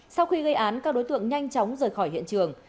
sau khi gây án các đối tượng nhanh chóng rời khỏi hiện trường